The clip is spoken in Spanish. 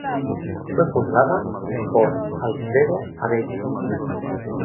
Fue fundada por Alfredo Avello.